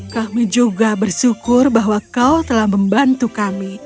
kami juga bersyukur bahwa kau telah membantu kami